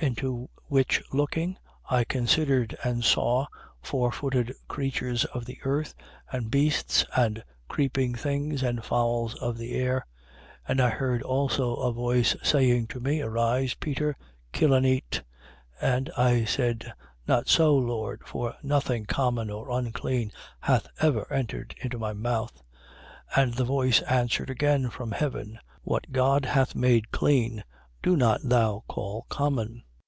11:6. Into which looking, I considered and saw fourfooted creatures of the earth and beasts and creeping things and fowls of the air. 11:7. And I heard also a voice saying to me: Arise, Peter. Kill and eat. 11:8. And I said: Not so, Lord: for nothing common or unclean hath ever entered into my mouth. 11:9. And the voice answered again from heaven: What God hath made clean, do not thou call common.